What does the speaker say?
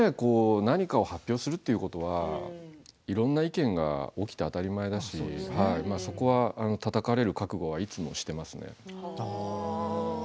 何かを発表するっていうことはいろんな意見が起きて当たり前だしそこは、たたかれる覚悟はいつもしてますね。